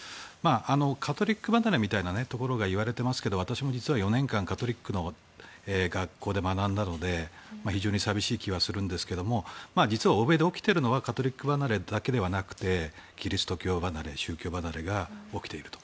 カトリック離れみたいなことが言われていますが私も実は４年間カトリックの学校で学んだので非常に寂しい気はするんですが実は欧米で起きているのはカトリック離れだけではなくてキリスト教離れ宗教離れが起きていると。